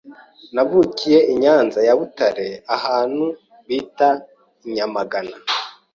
navukiye I nyanza ya butare ahantu bita I nyamagana,